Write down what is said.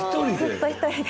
ずっと１人で。